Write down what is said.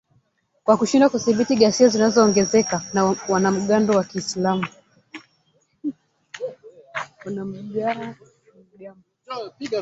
kwa kushindwa kudhibiti ghasia zinazoongezeka za wanamgambo wa kiislam